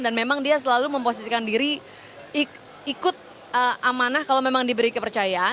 dan memang dia selalu memposisikan diri ikut amanah kalau memang diberi kepercayaan